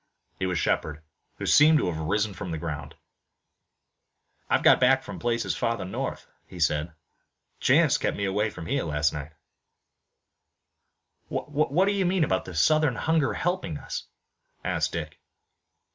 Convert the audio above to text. It was Shepard, who seemed to have risen from the ground. "I've got back from places farther north," he said. "Chance kept me away from here last night." "What do you mean about the Southern hunger helping us?" asked Dick.